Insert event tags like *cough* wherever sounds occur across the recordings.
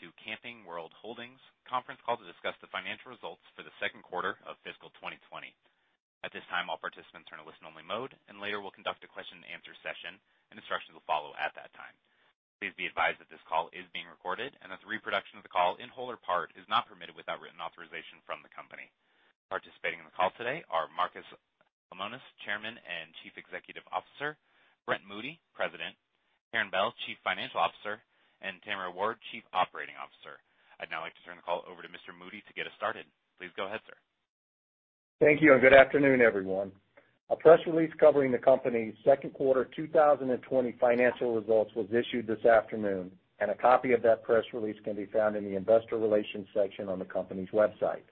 Good afternoon, ladies and gentlemen, and welcome to Camping World Holdings' conference call to discuss the financial results for the second quarter of fiscal 2020. At this time, all participants are in a listen-only mode, and later we'll conduct a question-and-answer session. Instructions will follow at that time. Please be advised that this call is being recorded, and that the reproduction of the call in whole or part is not permitted without written authorization from the company. Participating in the call today are Marcus Lemonis, Chairman and Chief Executive Officer, Brent Moody, President, Karin Bell, Chief Financial Officer, and Tamara Ward, Chief Operating Officer. I'd now like to turn the call over to Mr. Moody to get us started. Please go ahead, sir. Thank you, and good afternoon, everyone. A press release covering the company's second quarter 2020 financial results was issued this afternoon, and a copy of that press release can be found in the investor relations section on the company's website.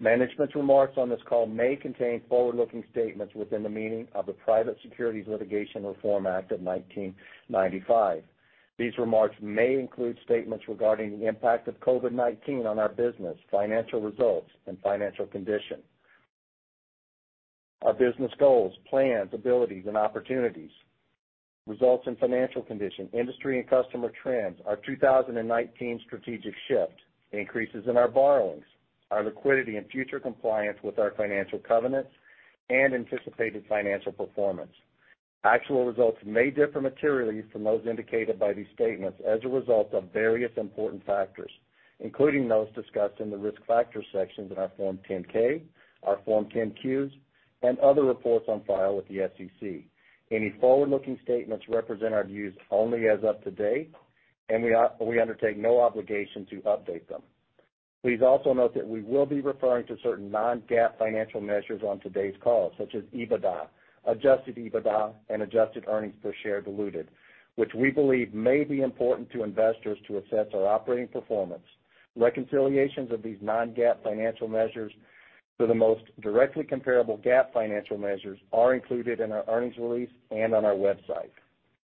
Management's remarks on this call may contain forward-looking statements within the meaning of the Private Securities Litigation Reform Act of 1995. These remarks may include statements regarding the impact of COVID-19 on our business, financial results, and financial condition. Our business goals, plans, abilities, and opportunities, results and financial condition, industry and customer trends, our 2019 strategic shift, increases in our borrowings, our liquidity, and future compliance with our financial covenants, and anticipated financial performance. Actual results may differ materially from those indicated by these statements as a result of various important factors, including those discussed in the risk factor sections in our Form 10-K, our Form 10-Qs, and other reports on file with the SEC. Any forward-looking statements represent our views only as of today, and we undertake no obligation to update them. Please also note that we will be referring to certain non-GAAP financial measures on today's call, such as EBITDA, adjusted EBITDA, and adjusted earnings per share diluted, which we believe may be important to investors to assess our operating performance. Reconciliations of these non-GAAP financial measures to the most directly comparable GAAP financial measures are included in our earnings release and on our website.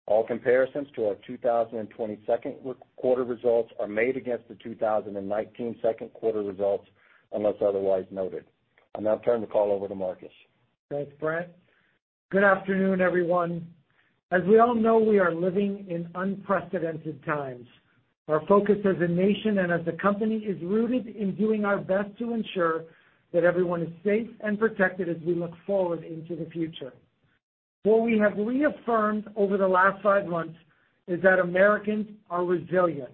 All comparisons to our 2020 second quarter results are made against the 2019 second quarter results unless otherwise noted. I now turn the call over to Marcus. Thanks, Brent. Good afternoon, everyone. As we all know, we are living in unprecedented times. Our focus as a nation and as a company is rooted in doing our best to ensure that everyone is safe and protected as we look forward into the future. What we have reaffirmed over the last five months is that Americans are resilient.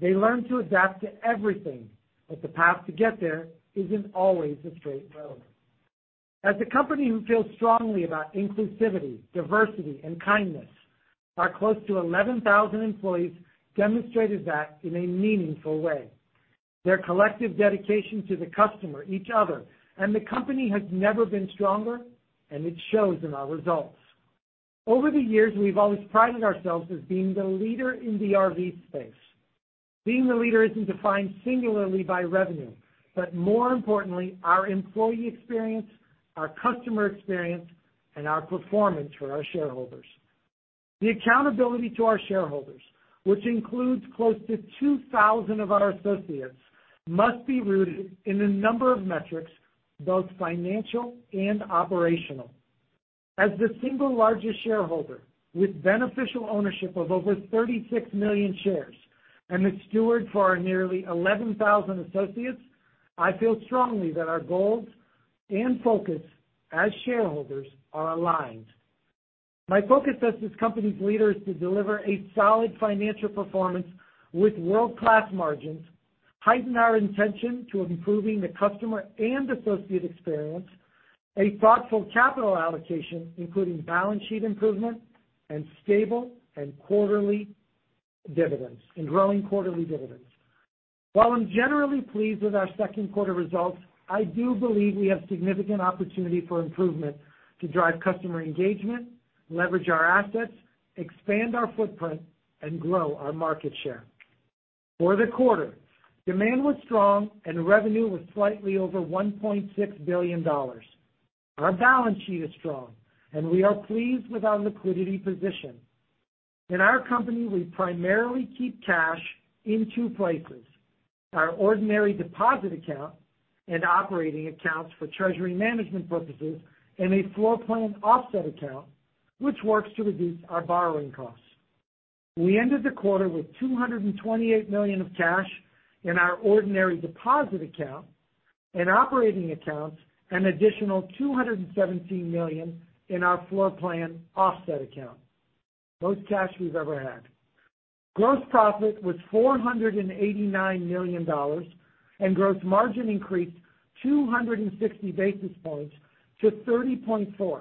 They learn to adapt to everything, but the path to get there isn't always a straight road. As a company who feels strongly about inclusivity, diversity, and kindness, our close to 11,000 employees demonstrated that in a meaningful way. Their collective dedication to the customer, each other, and the company has never been stronger, and it shows in our results. Over the years, we've always prided ourselves as being the leader in the RV space. Being the leader isn't defined singularly by revenue, but more importantly, our employee experience, our customer experience, and our performance for our shareholders. The accountability to our shareholders, which includes close to 2,000 of our associates, must be rooted in a number of metrics, both financial and operational. As the single largest shareholder, with beneficial ownership of over 36 million shares and the steward for our nearly 11,000 associates, I feel strongly that our goals and focus as shareholders are aligned. My focus as this company's leader is to deliver a solid financial performance with world-class margins, heighten our intention to improving the customer and associate experience, a thoughtful capital allocation, including balance sheet improvement, and stable and growing quarterly dividends. While I'm generally pleased with our second quarter results, I do believe we have significant opportunity for improvement to drive customer engagement, leverage our assets, expand our footprint, and grow our market share. For the quarter, demand was strong, and revenue was slightly over $1.6 billion. Our balance sheet is strong, and we are pleased with our liquidity position. In our company, we primarily keep cash in two places: our ordinary deposit account and operating accounts for treasury management purposes, and a floor plan offset account, which works to reduce our borrowing costs. We ended the quarter with $228 million of cash in our ordinary deposit account and operating accounts, and an additional $217 million in our floor plan offset account. Most cash we've ever had. Gross profit was $489 million, and gross margin increased 260 basis points to 30.4%,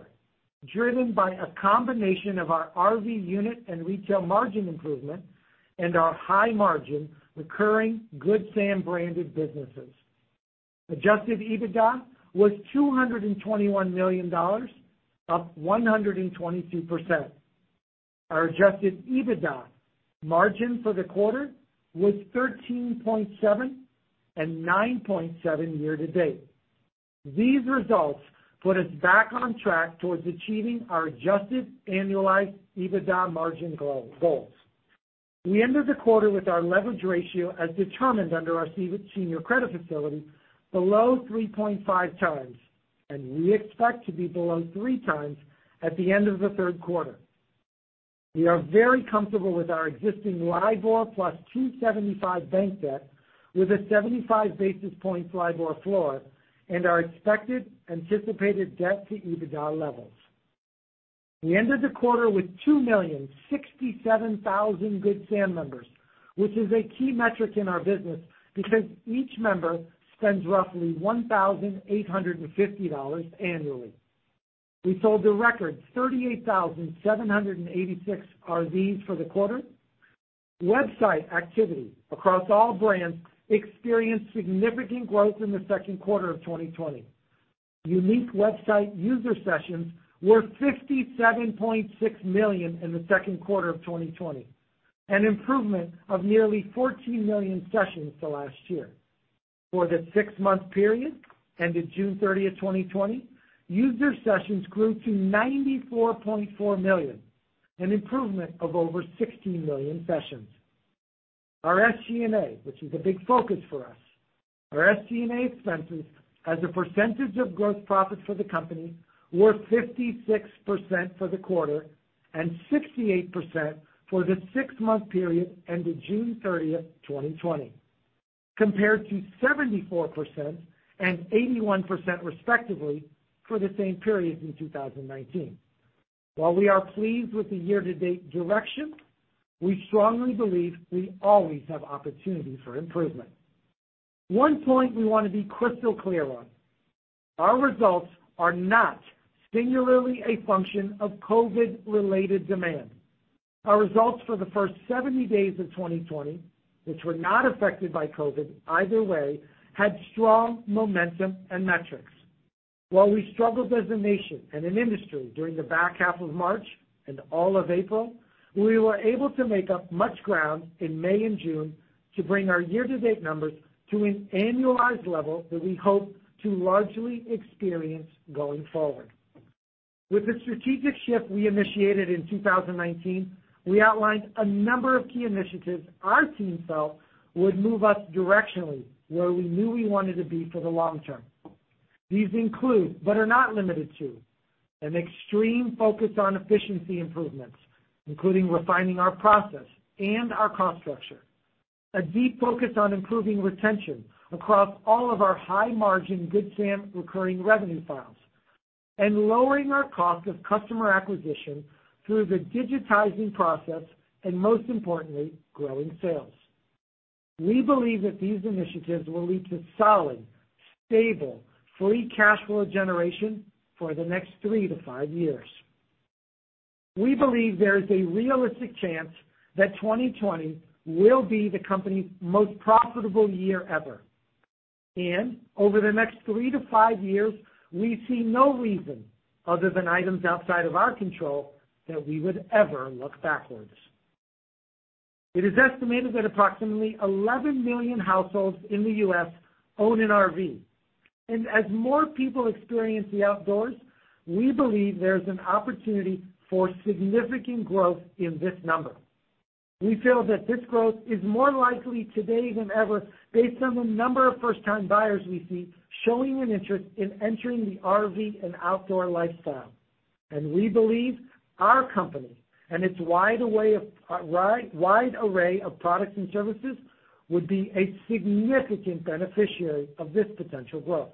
driven by a combination of our RV unit and retail margin improvement and our high margin recurring Good Sam-branded businesses. Adjusted EBITDA was $221 million, up 122%. Our adjusted EBITDA margin for the quarter was 13.7% and 9.7% year-to-date. These results put us back on track towards achieving our adjusted annualized EBITDA margin goals. We ended the quarter with our leverage ratio as determined under our senior credit facility below 3.5x, and we expect to be below 3x at the end of the third quarter. We are very comfortable with our existing LIBOR +275 basis points bank debt with a 75 basis points LIBOR floor and our expected anticipated debt to EBITDA levels. We ended the quarter with 2,067,000 Good Sam members, which is a key metric in our business because each member spends roughly $1,850 annually. We sold the record 38,786 RVs for the quarter. Website activity across all brands experienced significant growth in the second quarter of 2020. Unique website user sessions were 57.6 million in the second quarter of 2020, an improvement of nearly 14 million sessions the last year. For the six-month period ended June 30th, 2020, user sessions grew to 94.4 million, an improvement of over 16 million sessions. Our SG&A, which is a big focus for us, our SG&A expenses as a percentage of gross profit for the company were 56% for the quarter and 68% for the six-month period ended June 30th, 2020, compared to 74% and 81% respectively for the same period in 2019. While we are pleased with the year-to-date direction, we strongly believe we always have opportunity for improvement. One point we want to be crystal clear on: our results are not singularly a function of COVID-related demand. Our results for the first 70 days of 2020, which were not affected by COVID either way, had strong momentum and metrics. While we struggled as a nation and an industry during the back half of March and all of April, we were able to make up much ground in May and June to bring our year-to-date numbers to an annualized level that we hope to largely experience going forward. With the strategic shift we initiated in 2019, we outlined a number of key initiatives our team felt would move us directionally where we knew we wanted to be for the long term. These include, but are not limited to, an extreme focus on efficiency improvements, including refining our process and our cost structure, a deep focus on improving retention across all of our high-margin Good Sam recurring revenue files, and lowering our cost of customer acquisition through the digitizing process and, most importantly, growing sales. We believe that these initiatives will lead to solid, stable, free cash flow generation for the next three to five years. We believe there is a realistic chance that 2020 will be the company's most profitable year ever, and over the next three to five years, we see no reason, other than items outside of our control, that we would ever look backwards. It is estimated that approximately 11 million households in the U.S. own an RV, and as more people experience the outdoors, we believe there is an opportunity for significant growth in this number. We feel that this growth is more likely today than ever based on the number of first-time buyers we see showing an interest in entering the RV and outdoor lifestyle. And we believe our company and its wide array of products and services would be a significant beneficiary of this potential growth.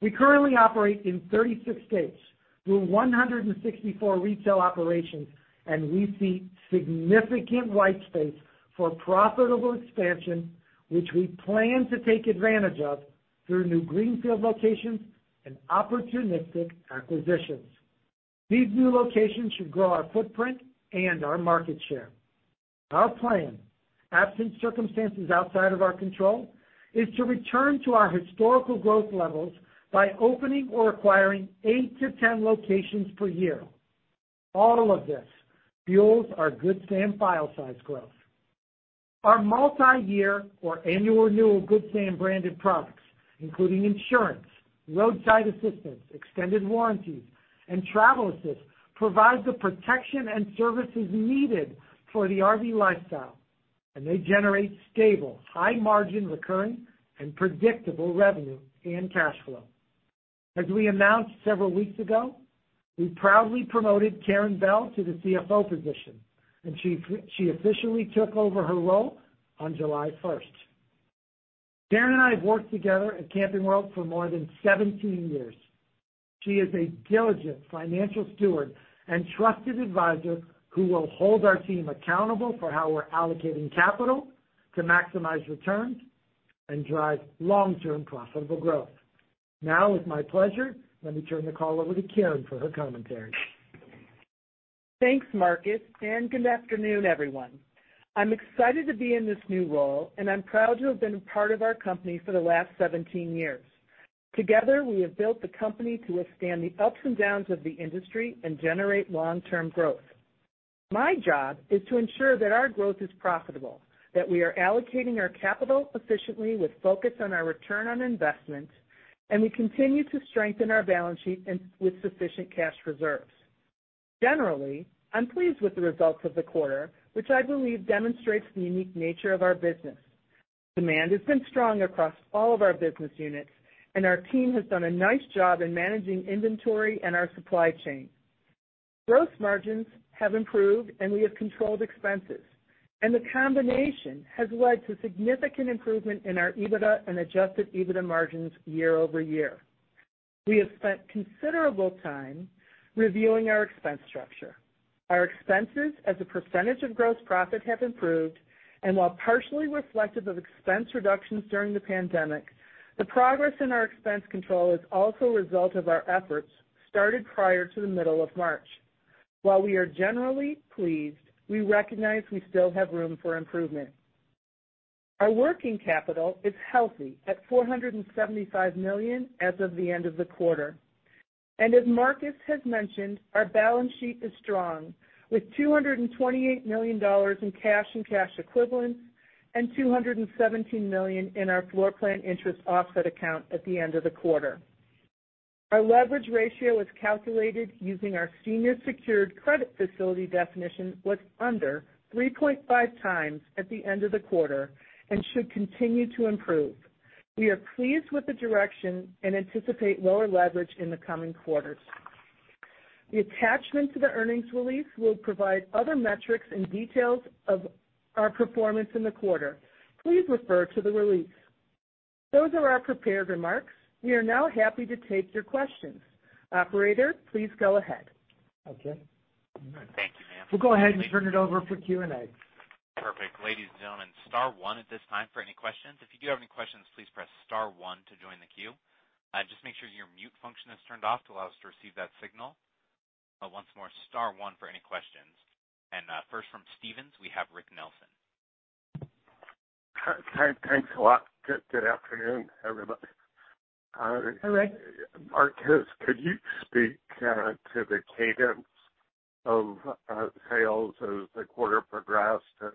We currently operate in 36 states, through 164 retail operations, and we see significant white space for profitable expansion, which we plan to take advantage of through new greenfield locations and opportunistic acquisitions. These new locations should grow our footprint and our market share. Our plan, absent circumstances outside of our control, is to return to our historical growth levels by opening or acquiring eight to 10 locations per year. All of this fuels our Good Sam file size growth. Our multi-year or annual renewal Good Sam-branded products, including insurance, roadside assistance, extended warranties, and TravelAssist, provide the protection and services needed for the RV lifestyle, and they generate stable, high-margin recurring and predictable revenue and cash flow. As we announced several weeks ago, we proudly promoted Karin Bell to the CFO position, and she officially took over her role on July 1st. Karin and I have worked together at Camping World for more than 17 years. She is a diligent financial steward and trusted advisor who will hold our team accountable for how we're allocating capital to maximize returns and drive long-term profitable growth. Now, with my pleasure, let me turn the call over to Karin for her commentary. Thanks, Marcus, and good afternoon, everyone. I'm excited to be in this new role, and I'm proud to have been part of our company for the last 17 years. Together, we have built the company to withstand the ups and downs of the industry and generate long-term growth. My job is to ensure that our growth is profitable, that we are allocating our capital efficiently with focus on our return on investment, and we continue to strengthen our balance sheet with sufficient cash reserves. Generally, I'm pleased with the results of the quarter, which I believe demonstrates the unique nature of our business. Demand has been strong across all of our business units, and our team has done a nice job in managing inventory and our supply chain. Gross margins have improved, and we have controlled expenses. The combination has led to significant improvement in our EBITDA and adjusted EBITDA margins year-over-year. We have spent considerable time reviewing our expense structure. Our expenses as a percentage of gross profit have improved, and while partially reflective of expense reductions during the pandemic, the progress in our expense control is also a result of our efforts started prior to the middle of March. While we are generally pleased, we recognize we still have room for improvement. Our working capital is healthy at $475 million as of the end of the quarter. As Marcus has mentioned, our balance sheet is strong, with $228 million in cash and cash equivalents and $217 million in our floor plan interest offset account at the end of the quarter. Our leverage ratio is calculated using our senior secured credit facility definition, which was under 3.5x at the end of the quarter and should continue to improve. We are pleased with the direction and anticipate lower leverage in the coming quarters. The attachment to the earnings release will provide other metrics and details of our performance in the quarter. Please refer to the release. Those are our prepared remarks. We are now happy to take your questions. Operator, please go ahead. Okay. Thank you, ma'am. We'll go ahead and turn it over for Q&A. Perfect. Ladies and gentlemen, star one at this time for any questions. If you do have any questions, please press star one to join the queue. Just make sure your mute function is turned off to allow us to receive that signal. Once more, star one for any questions, and first from Stephens, we have Rick Nelson. Thanks a lot. Good afternoon, everybody. Hi, Rick. Marcus, could you speak to the cadence of sales as the quarter progressed and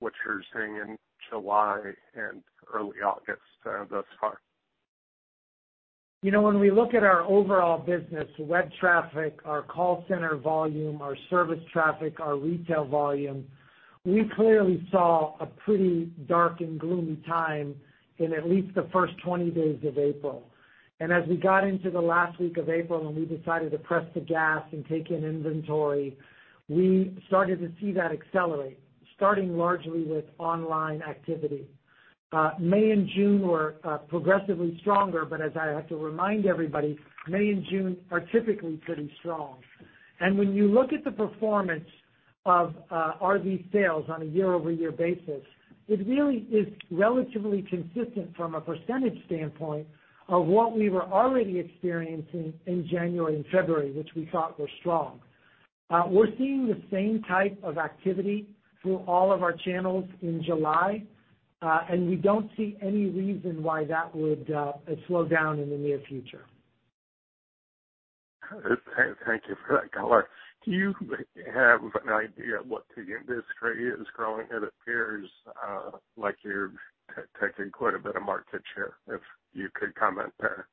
what you're seeing in July and early August thus far? When we look at our overall business, web traffic, our call center volume, our service traffic, our retail volume, we clearly saw a pretty dark and gloomy time in at least the first 20 days of April. And as we got into the last week of April and we decided to press the gas and take in inventory, we started to see that accelerate, starting largely with online activity. May and June were progressively stronger, but as I have to remind everybody, May and June are typically pretty strong. And when you look at the performance of RV sales on a year-over-year basis, it really is relatively consistent from a percentage standpoint of what we were already experiencing in January and February, which we thought were strong. We're seeing the same type of activity through all of our channels in July, and we don't see any reason why that would slow down in the near future. Thank you for that color. Do you have an idea of what the industry is growing? It appears like you're taking quite a bit of market share, if you could comment there.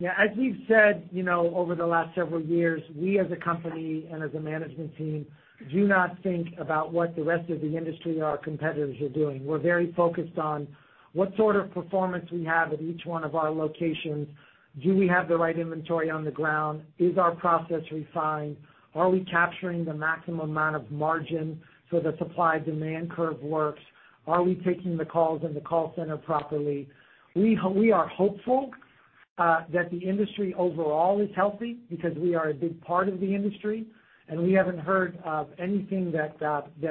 Yeah. As we've said over the last several years, we as a company and as a management team do not think about what the rest of the industry or our competitors are doing. We're very focused on what sort of performance we have at each one of our locations. Do we have the right inventory on the ground? Is our process refined? Are we capturing the maximum amount of margin so the supply-demand curve works? Are we taking the calls and the call center properly? We are hopeful that the industry overall is healthy because we are a big part of the industry, and we haven't heard of anything that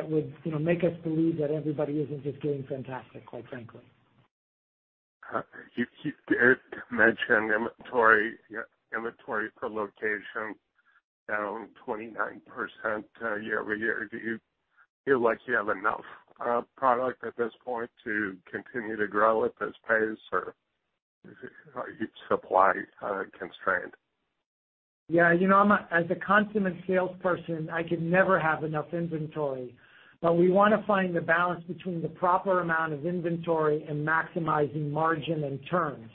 would make us believe that everybody isn't just doing fantastic, quite frankly. You did mention inventory per location down 29% year-over-year. Do you feel like you have enough product at this point to continue to grow at this pace, or are you supply constrained? Yeah. As a consummate salesperson, I could never have enough inventory. But we want to find the balance between the proper amount of inventory and maximizing margin and turns.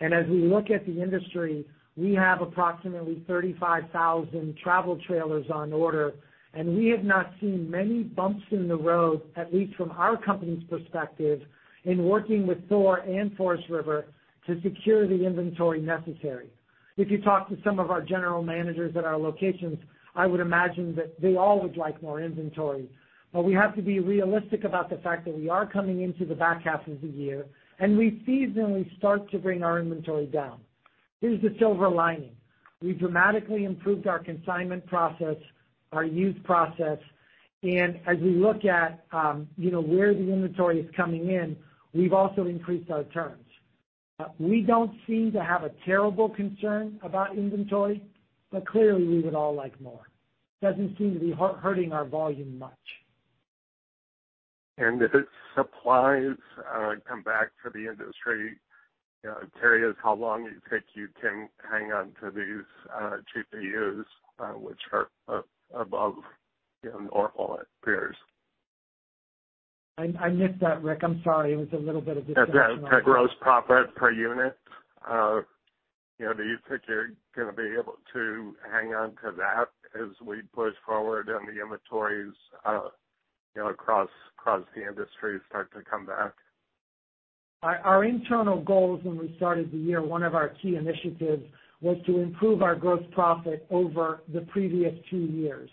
And as we look at the industry, we have approximately 35,000 travel trailers on order, and we have not seen many bumps in the road, at least from our company's perspective, in working with Thor and Forest River to secure the inventory necessary. If you talk to some of our general managers at our locations, I would imagine that they all would like more inventory. But we have to be realistic about the fact that we are coming into the back half of the year, and we seasonally start to bring our inventory down. Here's the silver lining. We've dramatically improved our consignment process, our used process, and as we look at where the inventory is coming in, we've also increased our turns. We don't seem to have a terrible concern about inventory, but clearly, we would all like more. It doesn't seem to be hurting our volume much. If supplies come back for the industry, tell us how long it takes you to hang on to these units, which are above the normal, it appears. I missed that, Rick. I'm sorry. It was a little bit of a [disconnection]. Is that gross profit per unit? Do you think you're going to be able to hang on to that as we push forward and the inventories across the industry start to come back? Our internal goals when we started the year, one of our key initiatives was to improve our gross profit over the previous two years,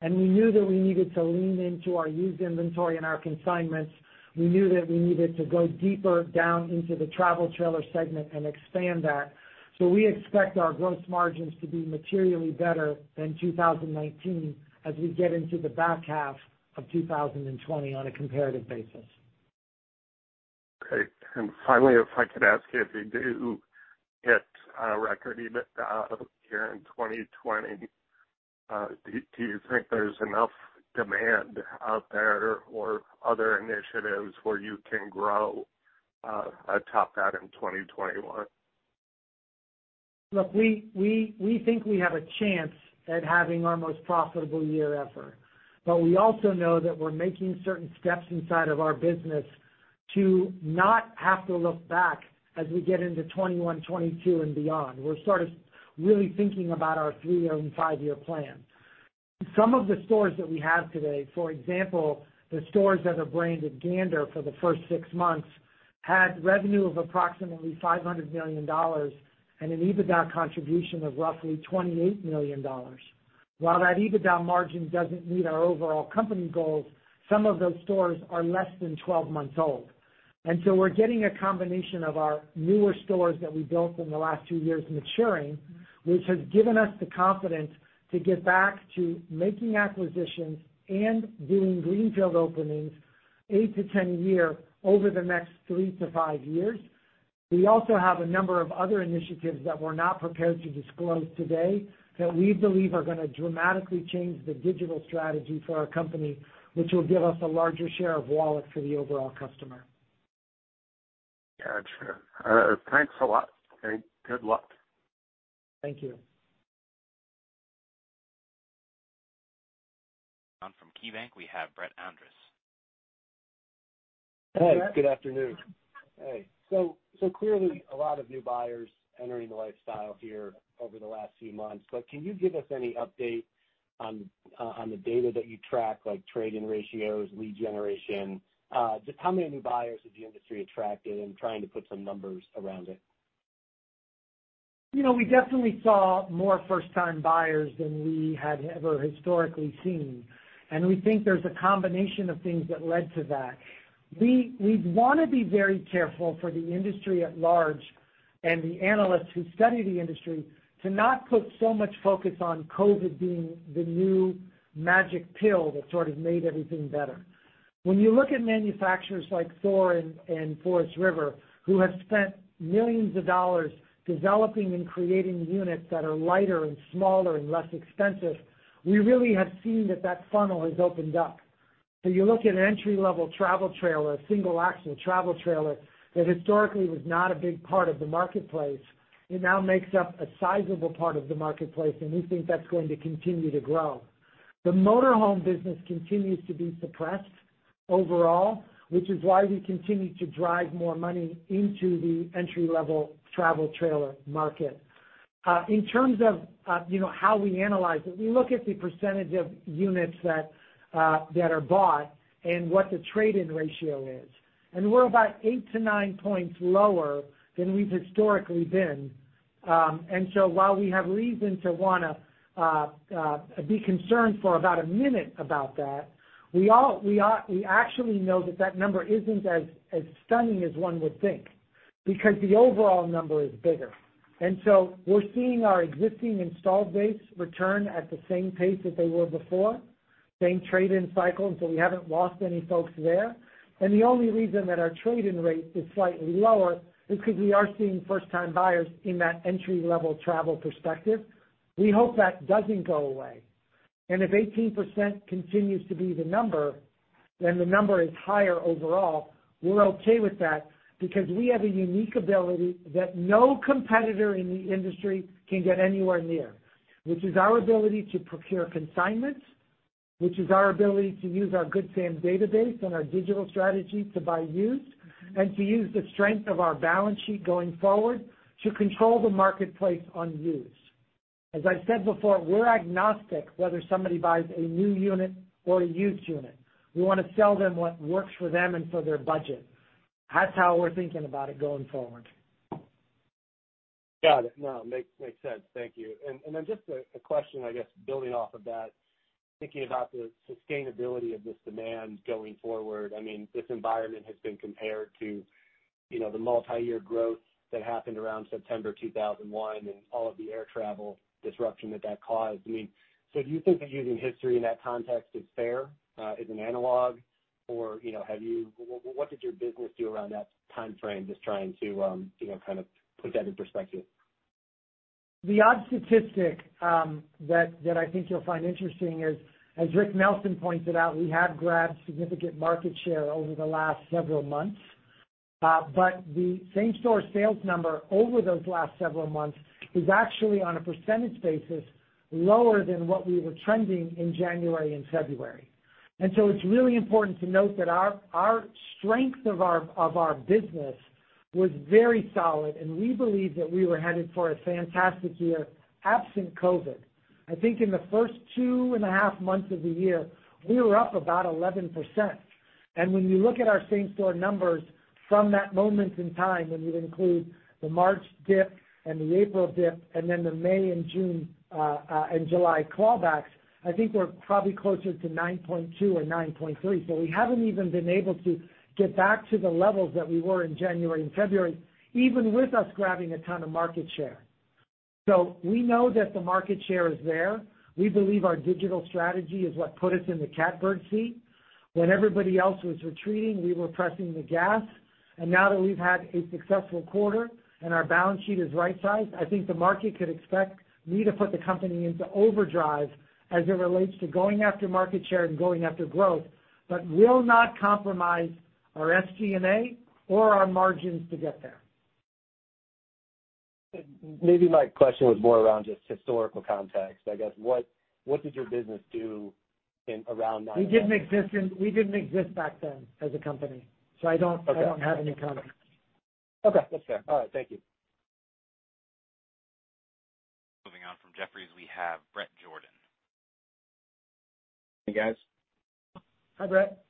and we knew that we needed to lean into our used inventory and our consignments. We knew that we needed to go deeper down into the travel trailer segment and expand that, so we expect our gross margins to be materially better than 2019 as we get into the back half of 2020 on a comparative basis. Okay. And finally, if I could ask you, if you do hit a record even here in 2020, do you think there's enough demand out there or other initiatives where you can grow atop that in 2021? Look, we think we have a chance at having our most profitable year ever. But we also know that we're making certain steps inside of our business to not have to look back as we get into 2021, 2022, and beyond. We're sort of really thinking about our three-year and five-year plan. Some of the stores that we have today, for example, the stores that are branded Gander for the first six months had revenue of approximately $500 million and an EBITDA contribution of roughly $28 million. While that EBITDA margin doesn't meet our overall company goals, some of those stores are less than 12 months old. And so we're getting a combination of our newer stores that we built in the last two years maturing, which has given us the confidence to get back to making acquisitions and doing greenfield openings eight to 10 years over the next three to five years. We also have a number of other initiatives that we're not prepared to disclose today that we believe are going to dramatically change the digital strategy for our company, which will give us a larger share of wallet for the overall customer. Gotcha. Thanks a lot. Good luck. Thank you. From KeyBanc, we have Brett Andress. Hey. Good afternoon. Hey. So clearly, a lot of new buyers entering the lifestyle here over the last few months. But can you give us any update on the data that you track, like trade-in ratios, lead generation? Just how many new buyers has the industry attracted and trying to put some numbers around it? We definitely saw more first-time buyers than we had ever historically seen, and we think there's a combination of things that led to that. We'd want to be very careful for the industry at large and the analysts who study the industry to not put so much focus on COVID being the new magic pill that sort of made everything better. When you look at manufacturers like Thor and Forest River, who have spent millions of dollars developing and creating units that are lighter and smaller and less expensive, we really have seen that that funnel has opened up, so you look at an entry-level travel trailer, a single-axle travel trailer that historically was not a big part of the marketplace. It now makes up a sizable part of the marketplace, and we think that's going to continue to grow. The motorhome business continues to be suppressed overall, which is why we continue to drive more money into the entry-level travel trailer market. In terms of how we analyze it, we look at the percentage of units that are bought and what the trade-in ratio is. And we're about eight to nine points lower than we've historically been. And so while we have reason to want to be concerned for about a minute about that, we actually know that that number isn't as stunning as one would think because the overall number is bigger. And so we're seeing our existing installed base return at the same pace as they were before, same trade-in cycle, and so we haven't lost any folks there. And the only reason that our trade-in rate is slightly lower is because we are seeing first-time buyers in that entry-level travel trailer perspective. We hope that doesn't go away. And if 18% continues to be the number, then the number is higher overall. We're okay with that because we have a unique ability that no competitor in the industry can get anywhere near, which is our ability to procure consignments, which is our ability to use our Good Sam database and our digital strategy to buy used, and to use the strength of our balance sheet going forward to control the marketplace on used. As I've said before, we're agnostic whether somebody buys a new unit or a used unit. We want to sell them what works for them and for their budget. That's how we're thinking about it going forward. Got it. No, makes sense. Thank you. And then just a question, I guess, building off of that, thinking about the sustainability of this demand going forward. I mean, this environment has been compared to the multi-year growth that happened around September 2001 and all of the air travel disruption that that caused. I mean, so do you think that using history in that context is fair, is an analog, or what did your business do around that timeframe, just trying to kind of put that in perspective? The odd statistic that I think you'll find interesting is, as Rick Nelson pointed out, we have grabbed significant market share over the last several months, but the same store sales number over those last several months is actually, on a percentage basis, lower than what we were trending in January and February, and so it's really important to note that our strength of our business was very solid, and we believe that we were headed for a fantastic year absent COVID. I think in the first two and a half months of the year, we were up about 11%. And when you look at our same store numbers from that moment in time, when you include the March dip and the April dip, and then the May and June and July clawbacks, I think we're probably closer to 9.2% or 9.3%. So we haven't even been able to get back to the levels that we were in January and February, even with us grabbing a ton of market share. So we know that the market share is there. We believe our digital strategy is what put us in the catbird seat. When everybody else was retreating, we were pressing the gas. And now that we've had a successful quarter and our balance sheet is right-sized, I think the market could expect me to put the company into overdrive as it relates to going after market share and going after growth, but will not compromise our SG&A or our margins to get there. Maybe my question was more around just historical context. I guess, what did your business do around 1998? We didn't exist back then as a company, so I don't have any context. Okay. That's fair. All right. Thank you. Moving on from Jefferies, we have Bret Jordan. Hey, guys. Hi, Bret.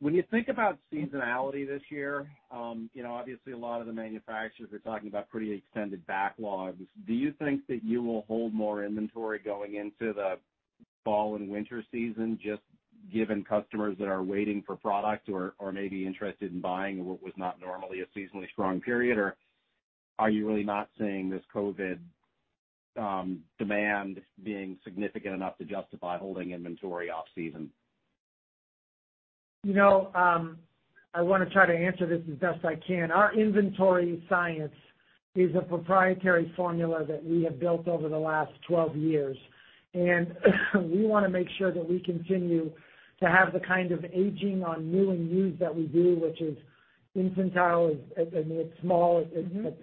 When you think about seasonality this year, obviously, a lot of the manufacturers are talking about pretty extended backlogs. Do you think that you will hold more inventory going into the fall and winter season, just given customers that are waiting for product or maybe interested in buying what was not normally a seasonally strong period? Or are you really not seeing this COVID demand being significant enough to justify holding inventory off-season? I want to try to answer this as best I can. Our inventory science is a proprietary formula that we have built over the last 12 years. And we want to make sure that we continue to have the kind of aging on new and used that we do, which is infinitesimal and small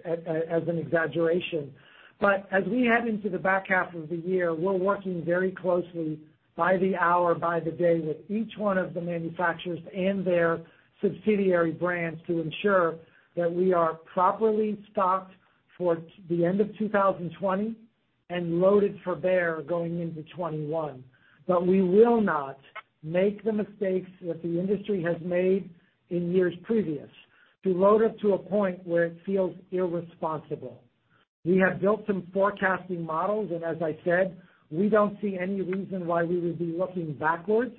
as an exaggeration. But as we head into the back half of the year, we're working very closely by the hour, by the day with each one of the manufacturers and their subsidiary brands to ensure that we are properly stocked for the end of 2020 and loaded for bear going into 2021. But we will not make the mistakes that the industry has made in years previous to load up to a point where it feels irresponsible. We have built some forecasting models. And as I said, we don't see any reason why we would be looking backwards.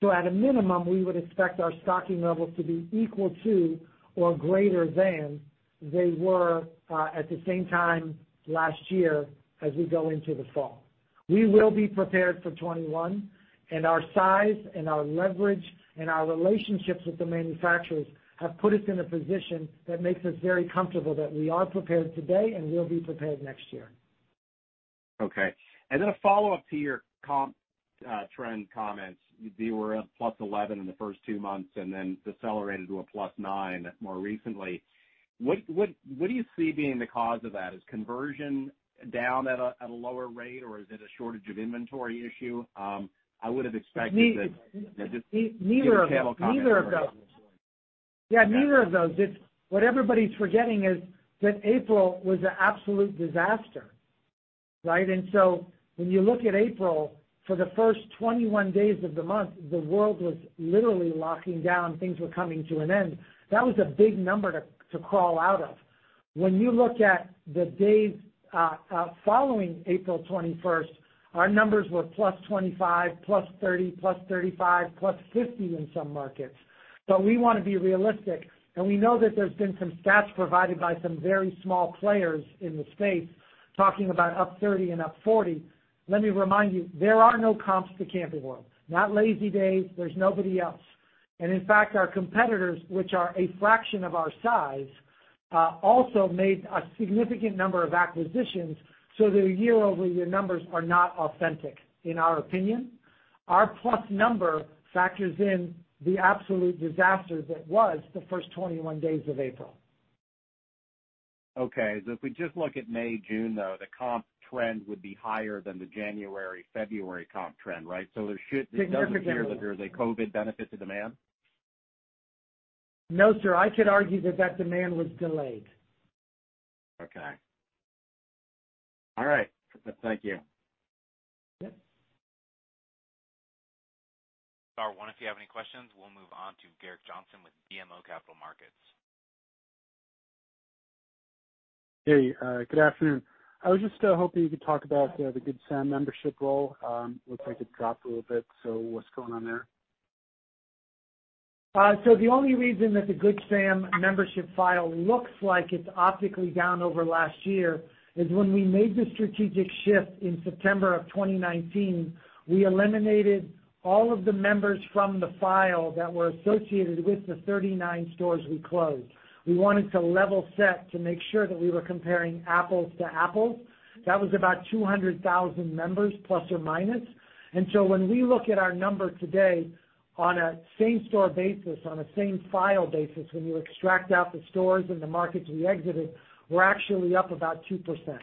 So at a minimum, we would expect our stocking levels to be equal to or greater than they were at the same time last year as we go into the fall. We will be prepared for 2021. And our size and our leverage and our relationships with the manufacturers have put us in a position that makes us very comfortable that we are prepared today and will be prepared next year. Okay. And then a follow-up to your trend comments. They were at +11% in the first two months and then decelerated to a +9% more recently. What do you see being the cause of that? Is conversion down at a lower rate, or is it a shortage of inventory issue? I would have expected that just some tabletop conversation. Neither of those. Yeah, neither of those. What everybody's forgetting is that April was an absolute disaster, right? And so when you look at April, for the first 21 days of the month, the world was literally locking down. Things were coming to an end. That was a big number to crawl out of. When you look at the days following April 21st, our numbers were +25%, +30%, +35%, +50% in some markets. But we want to be realistic. And we know that there's been some stats provided by some very small players in the space talking about up 30% and up 40%. Let me remind you, there are no comps to Camping World. Not Lazydays. There's nobody else. And in fact, our competitors, which are a fraction of our size, also made a significant number of acquisitions. So the year-over-year numbers are not authentic, in our opinion. Our plus number factors in the absolute disaster that was the first 21 days of April. Okay. So if we just look at May, June, though, the comp trend would be higher than the January, February comp trend, right? So there shouldn't be a year that there's a COVID benefit to demand? No, sir. I could argue that that demand was delayed. Okay. All right. Thank you. Yep. Star one, if you have any questions, we'll move on to Gerrick Johnson with BMO Capital Markets. Hey, good afternoon. I was just hoping you could talk about the Good Sam membership roll. Looks like it dropped a little bit. So what's going on there? The only reason that the Good Sam membership file looks like it's optically down over last year is when we made the strategic shift in September of 2019, we eliminated all of the members from the file that were associated with the 39 stores we closed. We wanted to level set to make sure that we were comparing apples to apples. That was about 200,000± members. When we look at our number today on a same store basis, on a same file basis, when you extract out the stores and the markets we exited, we're actually up about 2%.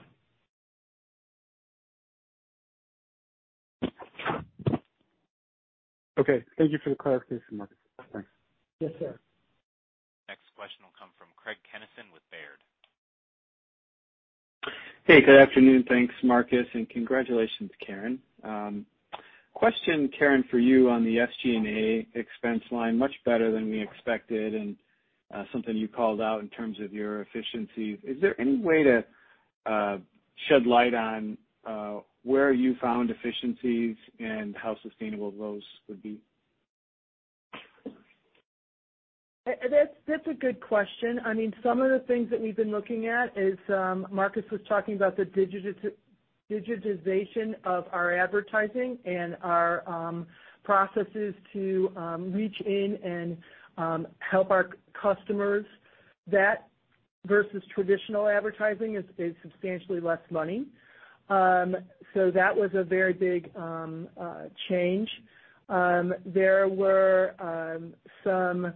Okay. Thank you for the clarification, Marcus. Thanks. Yes, sir. Next question will come from Craig Kennison with Baird. Hey, good afternoon. Thanks, Marcus, and congratulations, Karin. Question for you, Karin, on the SG&A expense line, much better than we expected and something you called out in terms of your efficiencies. Is there any way to shed light on where you found efficiencies and how sustainable those would be? That's a good question. I mean, some of the things that we've been looking at is Marcus was talking about the digitization of our advertising and our processes to reach in and help our customers. That versus traditional advertising is substantially less money. So that was a very big change. There were some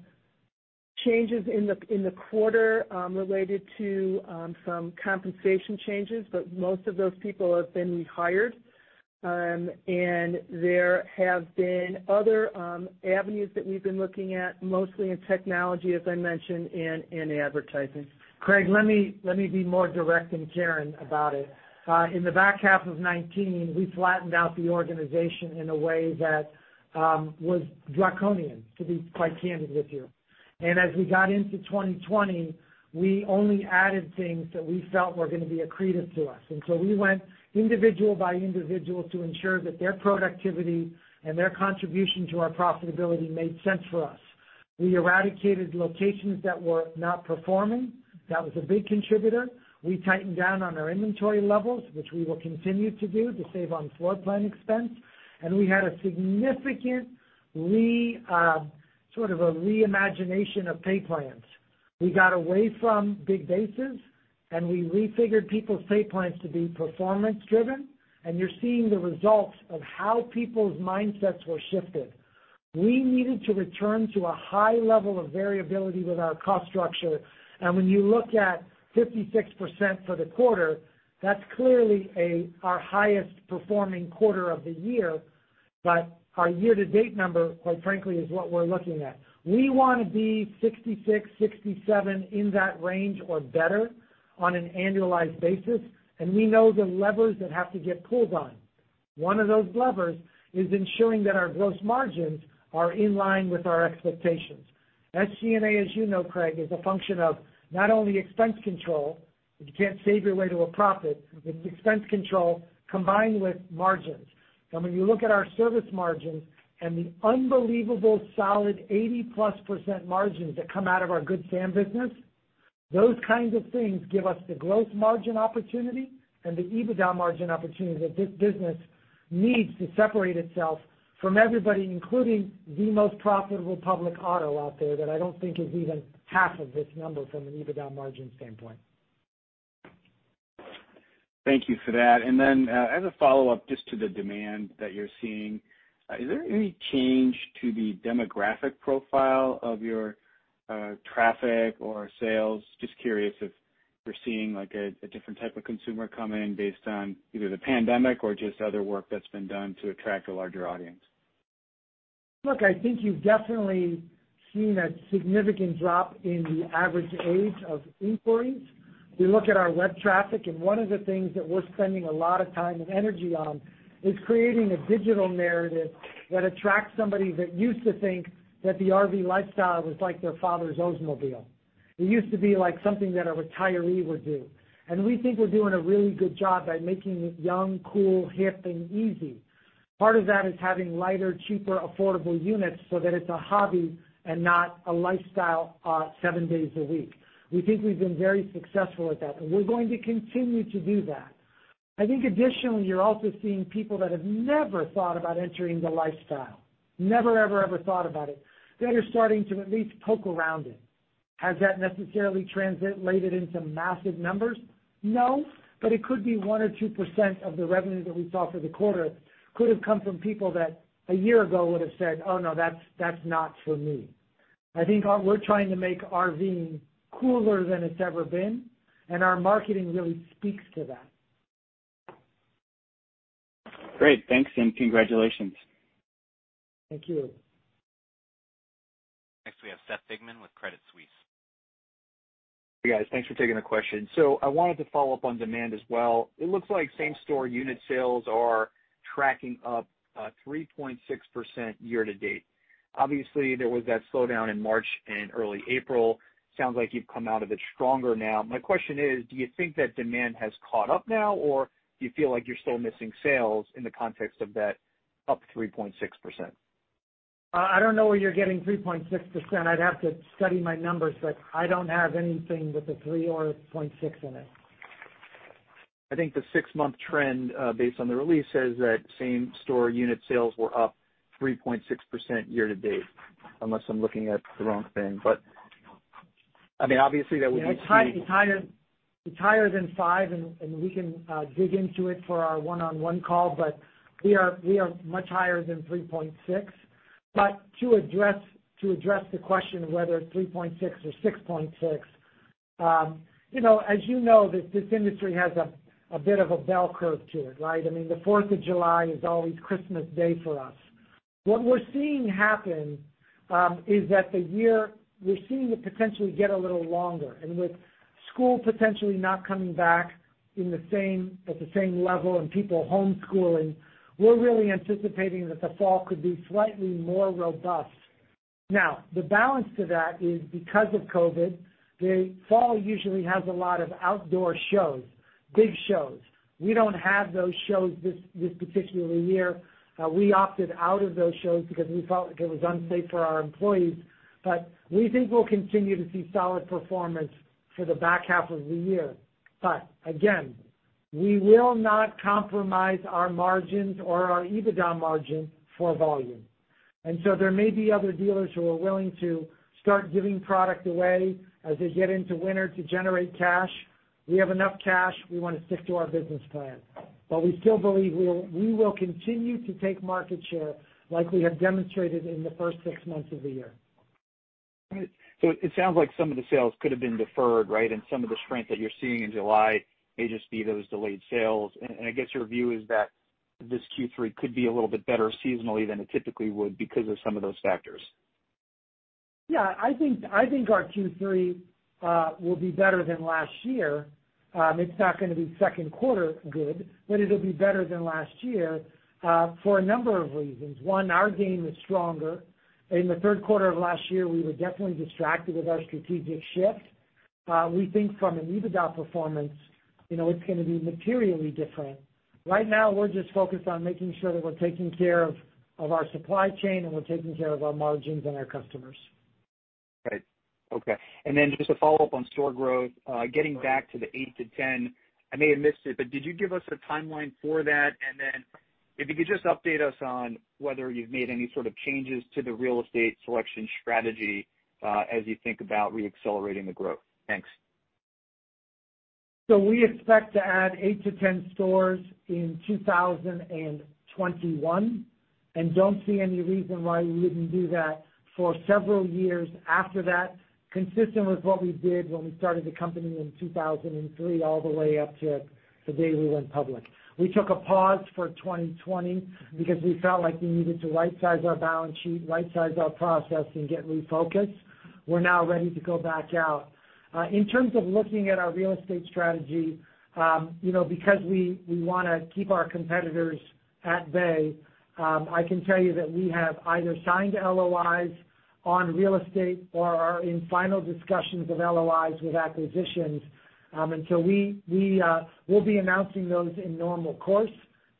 changes in the quarter related to some compensation changes, but most of those people have been rehired. And there have been other avenues that we've been looking at, mostly in technology, as I mentioned, and in advertising. Craig, let me be more direct than Karin about it. In the back half of 2019, we flattened out the organization in a way that was draconian, to be quite candid with you. And as we got into 2020, we only added things that we felt were going to be accretive to us. And so we went individual by individual to ensure that their productivity and their contribution to our profitability made sense for us. We eradicated locations that were not performing. That was a big contributor. We tightened down on our inventory levels, which we will continue to do to save on floor plan expense. And we had a significant sort of a reimagination of pay plans. We got away from big bases, and we refigured people's pay plans to be performance-driven. And you're seeing the results of how people's mindsets were shifted. We needed to return to a high level of variability with our cost structure. And when you look at 56% for the quarter, that's clearly our highest performing quarter of the year. But our year-to-date number, quite frankly, is what we're looking at. We want to be 66%-67% in that range or better on an annualized basis. And we know the levers that have to get pulled on. One of those levers is ensuring that our gross margins are in line with our expectations. SG&A, as you know, Craig, is a function of not only expense control. You can't save your way to a profit, but it's expense control combined with margins. And when you look at our service margins and the unbelievable solid 80%+ margins that come out of our Good Sam business, those kinds of things give us the gross margin opportunity and the EBITDA margin opportunity that this business needs to separate itself from everybody, including the most profitable public auto out there that I don't think is even half of this number from an EBITDA margin standpoint. Thank you for that. And then as a follow-up, just to the demand that you're seeing, is there any change to the demographic profile of your traffic or sales? Just curious if you're seeing a different type of consumer come in based on either the pandemic or just other work that's been done to attract a larger audience. Look, I think you've definitely seen a significant drop in the average age of inquiries. We look at our web traffic, and one of the things that we're spending a lot of time and energy on is creating a digital narrative that attracts somebody that used to think that the RV lifestyle was like their father's Oldsmobile. It used to be like something that a retiree would do. And we think we're doing a really good job at making it young, cool, hip, and easy. Part of that is having lighter, cheaper, affordable units so that it's a hobby and not a lifestyle seven days a week. We think we've been very successful at that, and we're going to continue to do that. I think additionally, you're also seeing people that have never thought about entering the lifestyle, never, ever, ever thought about it, that are starting to at least poke around it. Has that necessarily translated into massive numbers? No, but it could be 1% or 2% of the revenue that we saw for the quarter could have come from people that a year ago would have said, "Oh, no, that's not for me." I think we're trying to make RV cooler than it's ever been, and our marketing really speaks to that. Great. Thanks, and congratulations. Thank you. Next, we have Seth Sigman with Credit Suisse. Hey, guys. Thanks for taking the question. So I wanted to follow up on demand as well. It looks like same store unit sales are tracking up 3.6% year-to-date. Obviously, there was that slowdown in March and early April. Sounds like you've come out of it stronger now. My question is, do you think that demand has caught up now, or do you feel like you're still missing sales in the context of that up 3.6%? I don't know where you're getting 3.6%. I'd have to study my numbers, but I don't have anything with a 3% or a 0.6% in it. I think the six-month trend based on the release says that same store unit sales were up 3.6% year-to-date, unless I'm looking at the wrong thing, but I mean, obviously, that would be interesting. Yeah, it's higher than 5%, and we can dig into it for our one-on-one call, but we are much higher than 3.6%. But to address the question of whether it's 3.6% or 6.6%, as you know, this industry has a bit of a bell curve to it, right? I mean, the 4th of July is always Christmas Day for us. What we're seeing happen is that the year we're seeing it potentially get a little longer. And with school potentially not coming back at the same level and people homeschooling, we're really anticipating that the fall could be slightly more robust. Now, the balance to that is because of COVID, the fall usually has a lot of outdoor shows, big shows. We don't have those shows this particular year. We opted out of those shows because we felt like it was unsafe for our employees. But we think we'll continue to see solid performance for the back half of the year. But again, we will not compromise our margins or our EBITDA margin for volume. And so there may be other dealers who are willing to start giving product away as they get into winter to generate cash. We have enough cash. We want to stick to our business plan. But we still believe we will continue to take market share like we have demonstrated in the first six months of the year. So it sounds like some of the sales could have been deferred, right? And some of the strength that you're seeing in July may just be those delayed sales. And I guess your view is that this Q3 could be a little bit better seasonally than it typically would because of some of those factors. Yeah, I think our Q3 will be better than last year. It's not going to be second quarter good, but it'll be better than last year for a number of reasons. One, our game is stronger. In the third quarter of last year, we were definitely distracted with our strategic shift. We think from an EBITDA performance, it's going to be materially different. Right now, we're just focused on making sure that we're taking care of our supply chain and we're taking care of our margins and our customers. Right. Okay. And then just to follow up on store growth, getting back to the eight to 10, I may have missed it, but did you give us a timeline for that? And then if you could just update us on whether you've made any sort of changes to the real estate selection strategy as you think about re-accelerating the growth. Thanks. So we expect to add eight to 10 stores in 2021 and don't see any reason why we wouldn't do that for several years after that, consistent with what we did when we started the company in 2003 all the way up to the day we went public. We took a pause for 2020 because we felt like we needed to right-size our balance sheet, right-size our process, and get refocused. We're now ready to go back out. In terms of looking at our real estate strategy, because we want to keep our competitors at bay, I can tell you that we have either signed LOIs on real estate or are in final discussions of LOIs with acquisitions. And so we will be announcing those in normal course,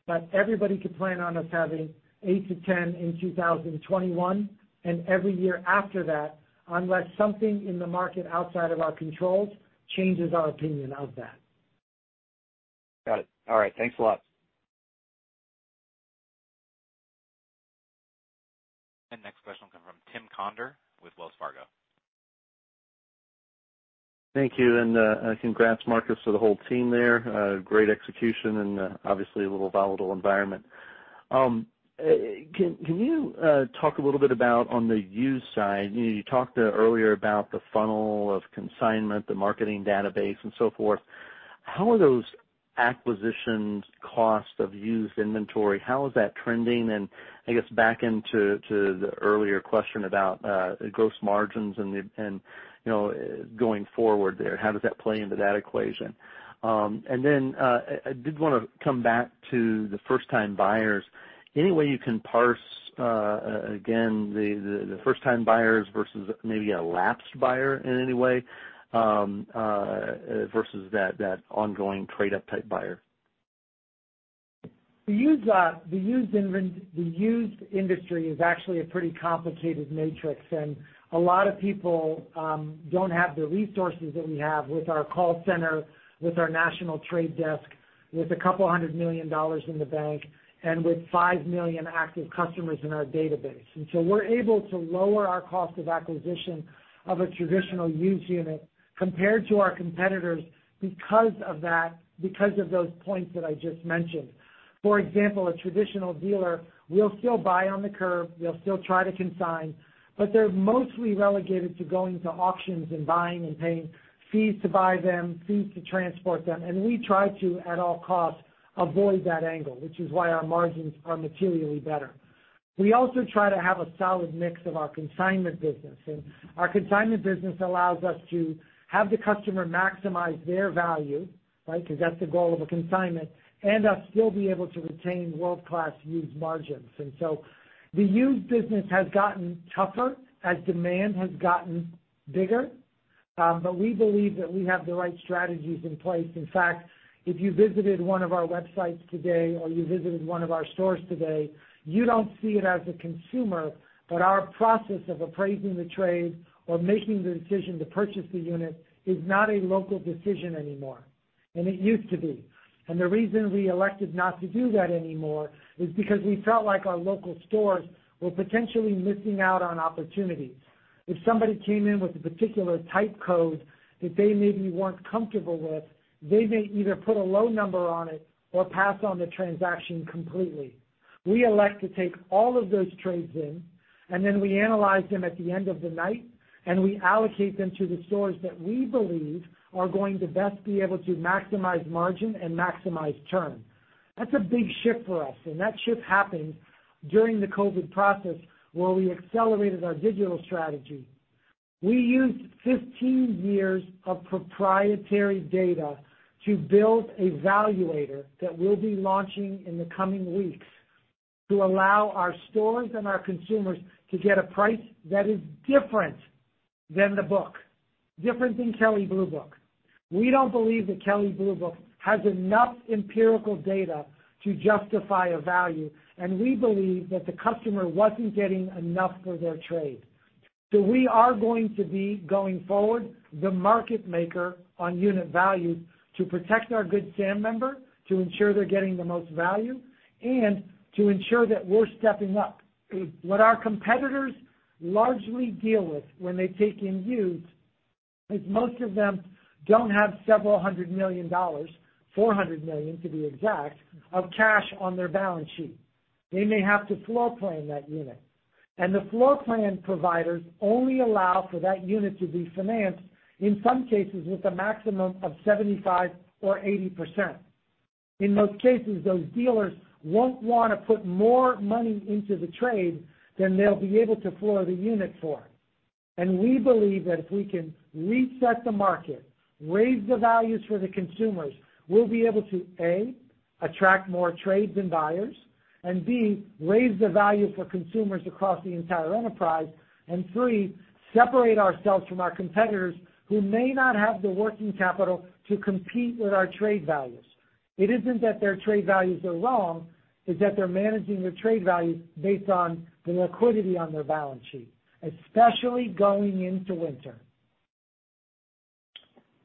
but everybody can plan on us having eight to 10 in 2021 and every year after that, unless something in the market outside of our controls changes our opinion of that. Got it. All right. Thanks a lot. And next question will come from Tim Conder with Wells Fargo. Thank you. And congrats, Marcus, for the whole team there. Great execution and obviously a little volatile environment. Can you talk a little bit about on the used side? You talked earlier about the funnel of consignment, the marketing database, and so forth. How are those acquisitions, cost of used inventory? How is that trending? And I guess back into the earlier question about gross margins and going forward there, how does that play into that equation? And then I did want to come back to the first-time buyers. Any way you can parse, again, the first-time buyers versus maybe a lapsed buyer in any way versus that ongoing trade-up type buyer? The used industry is actually a pretty complicated matrix, and a lot of people don't have the resources that we have with our call center, with our national trade desk, with $200 million in the bank, and with five million active customers in our database. And so we're able to lower our cost of acquisition of a traditional used unit compared to our competitors because of that, because of those points that I just mentioned. For example, a traditional dealer will still buy on the curve. They'll still try to consign, but they're mostly relegated to going to auctions and buying and paying fees to buy them, fees to transport them. And we try to, at all costs, avoid that angle, which is why our margins are materially better. We also try to have a solid mix of our consignment business. And our consignment business allows us to have the customer maximize their value, right, because that's the goal of a consignment, and us still be able to retain world-class used margins. And so the used business has gotten tougher as demand has gotten bigger, but we believe that we have the right strategies in place. In fact, if you visited one of our websites today or you visited one of our stores today, you don't see it as a consumer, but our process of appraising the trade or making the decision to purchase the unit is not a local decision anymore. And it used to be. And the reason we elected not to do that anymore is because we felt like our local stores were potentially missing out on opportunities. If somebody came in with a particular type code that they maybe weren't comfortable with, they may either put a low number on it or pass on the transaction completely. We elect to take all of those trades in, and then we analyze them at the end of the night, and we allocate them to the stores that we believe are going to best be able to maximize margin and maximize turn. That's a big shift for us, and that shift happened during the COVID process where we accelerated our digital strategy. We used 15 years of proprietary data to build a valuator that we'll be launching in the coming weeks to allow our stores and our consumers to get a price that is different than the book, different than Kelley Blue Book. We don't believe that Kelley Blue Book has enough empirical data to justify a value, and we believe that the customer wasn't getting enough for their trade, so we are going to be, going forward, the market maker on unit value to protect our Good Sam member, to ensure they're getting the most value, and to ensure that we're stepping up. What our competitors largely deal with when they take in used is most of them don't have several hundred million dollars ($400 million to be exact) of cash on their balance sheet. They may have to floor plan that unit, and the floor plan providers only allow for that unit to be financed, in some cases, with a maximum of 75% or 80%. In most cases, those dealers won't want to put more money into the trade than they'll be able to floor the unit for. We believe that if we can reset the market, raise the values for the consumers, we'll be able to, A, attract more trades and buyers, and B, raise the value for consumers across the entire enterprise, and C, separate ourselves from our competitors who may not have the working capital to compete with our trade values. It isn't that their trade values are wrong. It's that they're managing their trade value based on the liquidity on their balance sheet, especially going into winter.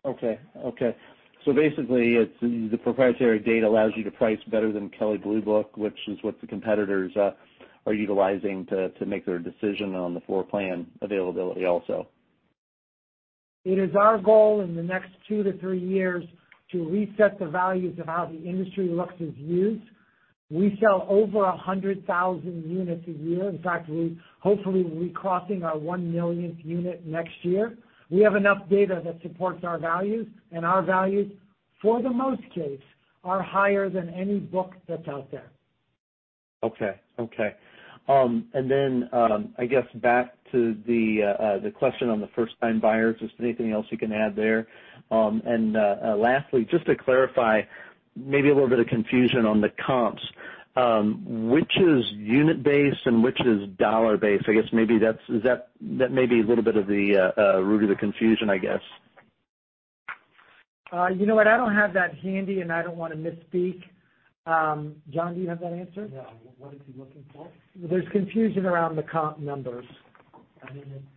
Okay. Okay. So basically, the proprietary data allows you to price better than Kelley Blue Book, which is what the competitors are utilizing to make their decision on the floor plan availability also. It is our goal in the next two to three years to reset the values of how the industry looks at used. We sell over 100,000 units a year. In fact, hopefully, we'll be crossing our one millionth unit next year. We have enough data that supports our values, and our values, for the most part, are higher than any book that's out there. Okay. Okay. And then I guess back to the question on the first-time buyers, just anything else you can add there. And lastly, just to clarify, maybe a little bit of confusion on the comps. Which is unit-based and which is dollar-based? I guess maybe that may be a little bit of the root of the confusion, I guess. You know what? I don't have that handy, and I don't want to misspeak. John, do you have that answer? Yeah. What is he looking for? There's confusion around the comp numbers,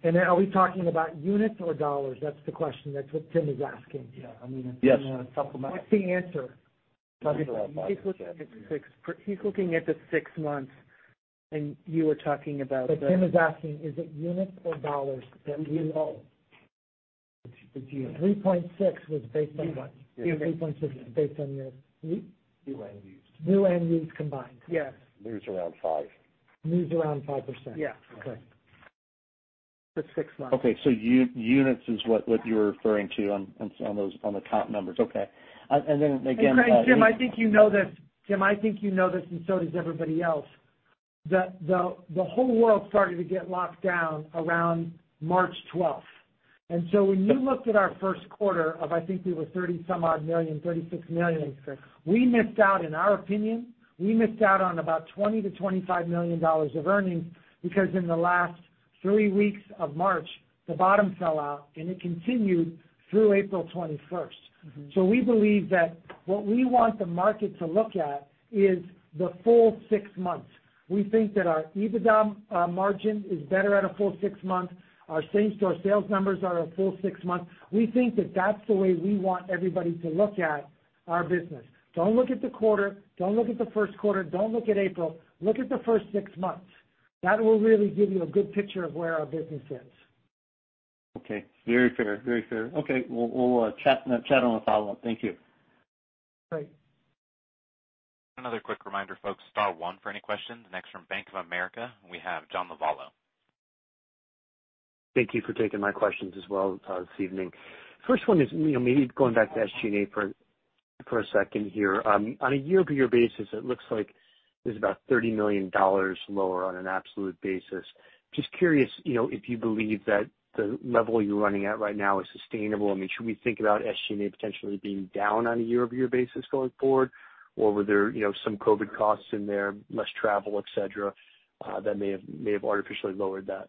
and are we talking about units or dollars? That's the question. That's what Tim is asking. Yeah. I mean, it's going to supplement. What's the answer? He's looking at the six months, and you were talking about the? But Tim is asking, is it units or dollars that we know? It's units. 3.6% was based on what? Yeah. 3.6% was based on units? Year-end used. Year-end used combined. Yes. Units around 5%. Units around 5%? Yeah. Okay. The six months. Okay. So units is what you're referring to on the comp numbers. Okay. And then again. I'm sorry, Tim. I think you know this. Tim, I think you know this, and so does everybody else. The whole world started to get locked down around March 12th, and so when you looked at our first quarter of, I think we were 30-some-odd million, 36 million, we missed out, in our opinion, we missed out on about $20 million-$25 million of earnings because in the last three weeks of March, the bottom fell out, and it continued through April 21st, so we believe that what we want the market to look at is the full six months. We think that our EBITDA margin is better at a full six months. Our same-store sales numbers are a full six months. We think that that's the way we want everybody to look at our business. Don't look at the quarter. Don't look at the first quarter. Don't look at April. Look at the first six months. That will really give you a good picture of where our business is. Okay. Very fair. Very fair. Okay. We'll chat on a follow-up. Thank you. Great. Another quick reminder, folks. Star one for any questions. Next from Bank of America. We have John Lovallo. Thank you for taking my questions as well this evening. First one is maybe going back to SG&A for a second here. On a year-over-year basis, it looks like there's about $30 million lower on an absolute basis. Just curious if you believe that the level you're running at right now is sustainable. I mean, should we think about SG&A potentially being down on a year-over-year basis going forward, or were there some COVID costs in there, less travel, etc., that may have artificially lowered that?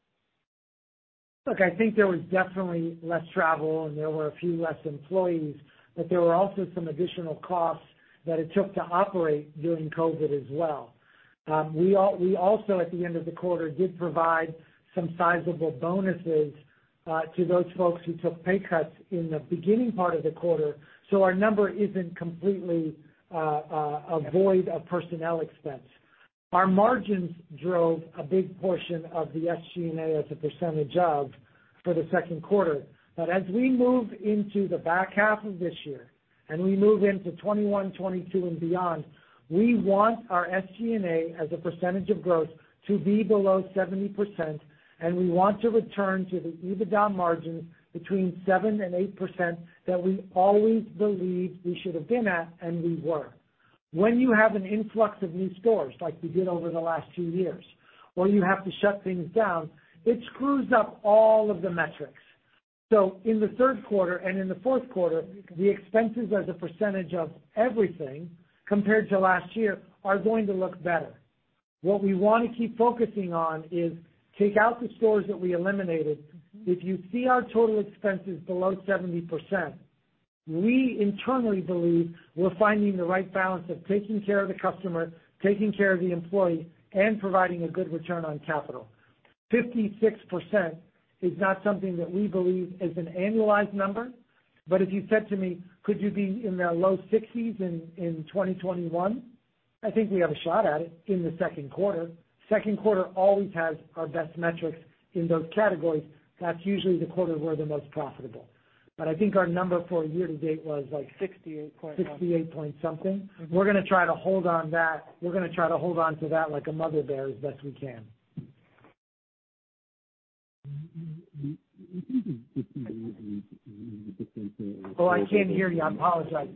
Look, I think there was definitely less travel, and there were a few less employees, but there were also some additional costs that it took to operate during COVID as well. We also, at the end of the quarter, did provide some sizable bonuses to those folks who took pay cuts in the beginning part of the quarter. So our number isn't completely a void of personnel expense. Our margins drove a big portion of the SG&A as a percentage of for the second quarter. But as we move into the back half of this year and we move into 2021, 2022, and beyond, we want our SG&A as a percentage of gross to be below 70%, and we want to return to the EBITDA margins between 7% and 8% that we always believed we should have been at, and we were. When you have an influx of new stores like we did over the last two years, or you have to shut things down, it screws up all of the metrics. So in the third quarter and in the fourth quarter, the expenses as a percentage of everything compared to last year are going to look better. What we want to keep focusing on is take out the stores that we eliminated. If you see our total expenses below 70%, we internally believe we're finding the right balance of taking care of the customer, taking care of the employee, and providing a good return on capital. 56% is not something that we believe is an annualized number, but if you said to me, "Could you be in the low 60s in 2021?" I think we have a shot at it in the second quarter. Second quarter always has our best metrics in those categories. That's usually the quarter we're the most profitable. But I think our number for year-to-date was like. 68 point something. We're going to try to hold on that. We're going to try to hold on to that like a mother bear as best we can. *audio distortion* Oh, I can't hear you. I apologize.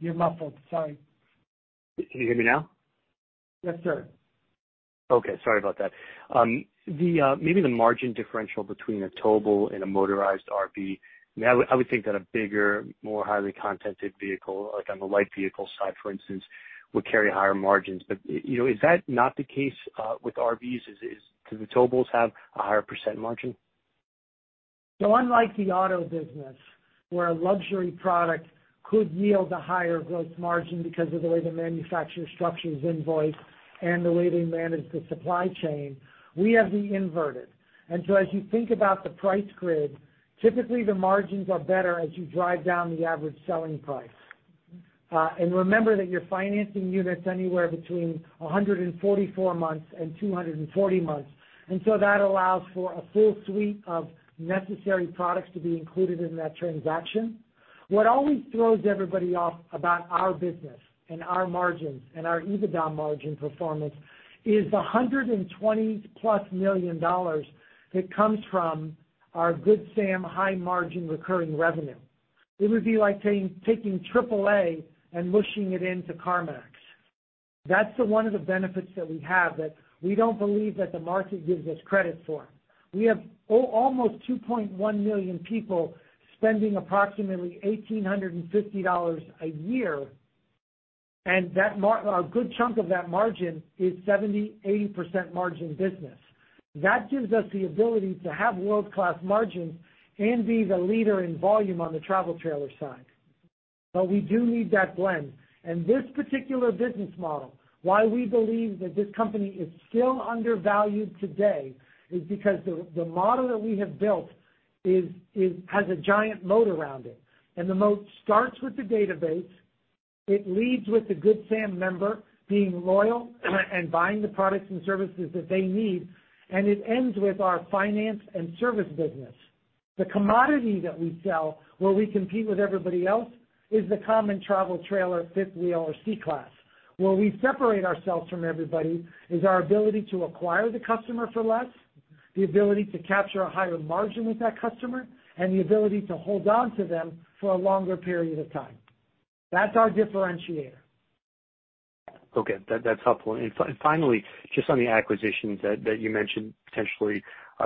You're muffled. Sorry. Can you hear me now? Yes, sir. Okay. Sorry about that. Maybe the margin differential between a towable and a motorized RV, I would think that a bigger, more highly appointed vehicle, like on the light vehicle side, for instance, would carry higher margins. But is that not the case with RVs? Do the towables have a higher percent margin? So unlike the auto business, where a luxury product could yield a higher gross margin because of the way the manufacturer structures invoice and the way they manage the supply chain, we have the inverted. And so as you think about the price grid, typically the margins are better as you drive down the average selling price. And remember that you're financing units anywhere between 144 months and 240 months. And so that allows for a full suite of necessary products to be included in that transaction. What always throws everybody off about our business and our margins and our EBITDA margin performance is the $120+ million that comes from our Good Sam high-margin recurring revenue. It would be like taking AAA and mushing it into CarMax. That's one of the benefits that we have that we don't believe that the market gives us credit for. We have almost 2.1 million people spending approximately $1,850 a year, and a good chunk of that margin is 70%-80% margin business. That gives us the ability to have world-class margins and be the leader in volume on the travel trailer side. But we do need that blend. And this particular business model, why we believe that this company is still undervalued today, is because the model that we have built has a giant moat around it. And the moat starts with the database. It leads with the Good Sam member being loyal and buying the products and services that they need, and it ends with our finance and service business. The commodity that we sell where we compete with everybody else is the common travel trailer, fifth wheel, or Class C. Where we separate ourselves from everybody is our ability to acquire the customer for less, the ability to capture a higher margin with that customer, and the ability to hold on to them for a longer period of time. That's our differentiator. Okay. That's helpful, and finally, just on the acquisitions that you mentioned potentially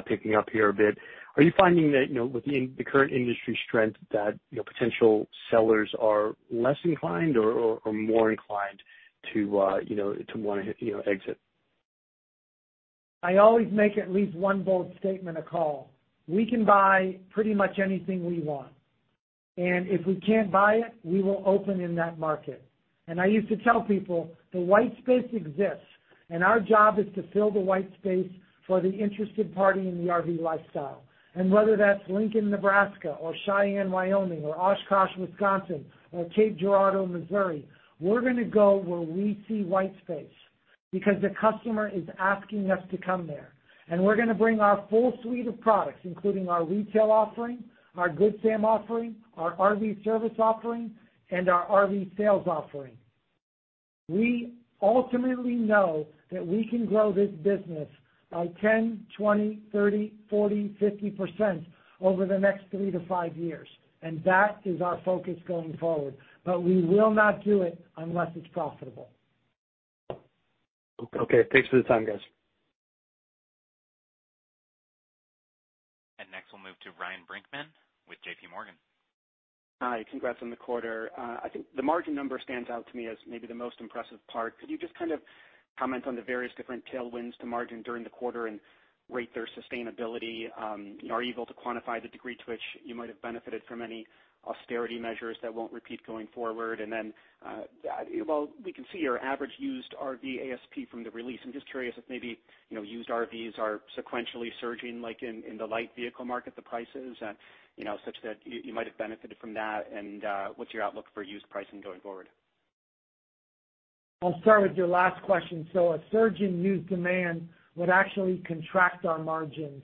picking up here a bit, are you finding that with the current industry strength that potential sellers are less inclined or more inclined to want to exit? I always make at least one bold statement a call. We can buy pretty much anything we want, and if we can't buy it, we will open in that market. I used to tell people, "The white space exists, and our job is to fill the white space for the interested party in the RV lifestyle," and whether that's Lincoln, Nebraska, or Cheyenne, Wyoming, or Oshkosh, Wisconsin, or Cape Girardeau, Missouri, we're going to go where we see white space because the customer is asking us to come there. We're going to bring our full suite of products, including our retail offering, our Good Sam offering, our RV service offering, and our RV sales offering. We ultimately know that we can grow this business by 10%, 20%, 30%, 40%, 50% over the next three to five years, and that is our focus going forward. But we will not do it unless it's profitable. Okay. Thanks for the time, guys. Next, we'll move to Ryan Brinkman with JPMorgan. Hi. Congrats on the quarter. I think the margin number stands out to me as maybe the most impressive part. Could you just kind of comment on the various different tailwinds to margin during the quarter and rate their sustainability? Are you able to quantify the degree to which you might have benefited from any austerity measures that won't repeat going forward? And then, well, we can see your average used RV ASP from the release. I'm just curious if maybe used RVs are sequentially surging like in the light vehicle market, the prices, such that you might have benefited from that. And what's your outlook for used pricing going forward? I'll start with your last question. So a surge in used demand would actually contract our margins